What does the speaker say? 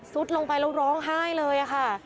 ลงไปแล้วร้องไห้เลยค่ะ